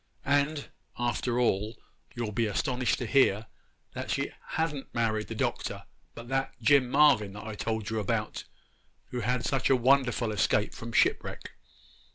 And, after all, you'll be astonished to hear that she ha'n't married the Doctor, but that Jim Marvyn that I told you about, who had such a wonderful escape from shipwreck.